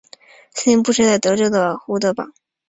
司令部设在德州的胡德堡。